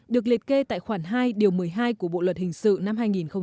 được liệt kê tại khoản hai điều một mươi hai của bộ luật hình sự năm hai nghìn một mươi năm